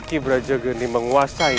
ki brajegeni menguasai